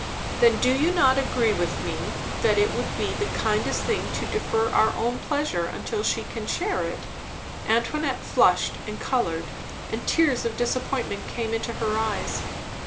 "Then do you not agree with me, that it would be the kindest thing to defer our own pleasure until she can share it?" Antoinette flushed and coloured, and tears of disappointment came into her eyes.